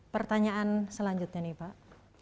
pertanyaan selanjutnya nih pak